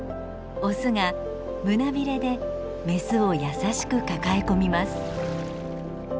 オスが胸びれでメスを優しく抱え込みます。